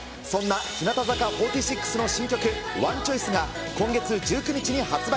そんな日向坂４６の新曲、ＯｎｅＣｈｏｉｃｅが今月１９日に発売。